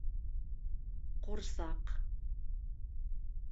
Ҡурсаҡ...